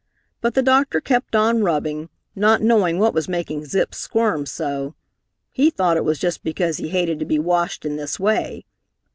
But the doctor kept on rubbing, not knowing what was making Zip squirm so. He thought it was just because he hated to be washed in this way.